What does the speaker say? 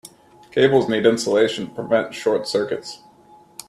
Cables need insulation to prevent short circuits.